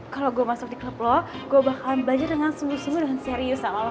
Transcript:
kalo gue masuk di klub lo gue bakalan belajar dengan sungguh sungguh dan serius sama lo kak